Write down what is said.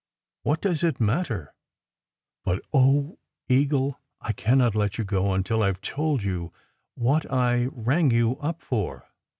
"What does it matter? But, oh, Eagle ! I cannot let you go until I ve told you what I rang you up for.